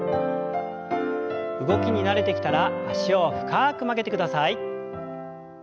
動きに慣れてきたら脚を深く曲げてください。